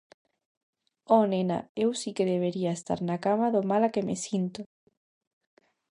-Oh, nena, eu si que debería estar na cama do mala que me sinto!